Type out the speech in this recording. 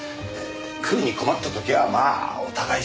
食うに困った時はまあお互い様。